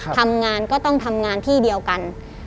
ทำงานก็ต้องทำงานที่เดียวกัน